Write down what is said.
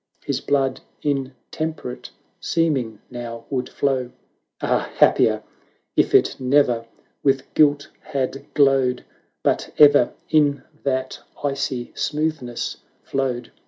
His blood in temperate seeming now would flow: Ah ! happier if it ne'er with guilt had glowed. But ever in that icy smoothness flowed